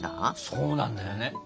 そうなんだよね